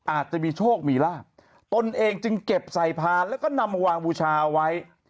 อาจจะมีโชคมีลาบตนเองจึงเก็บใส่พานแล้วก็นำมาวางบูชาเอาไว้